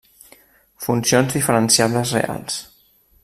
Funcions diferenciables reals.